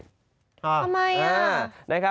ทำไมน่ะ